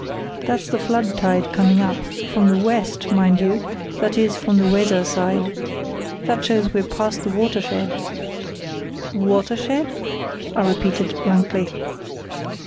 That's the flood tide coming up—from the west, mind you; that is, from the Weser side. That shows we're past the watershed." "Watershed?" I repeated, blankly.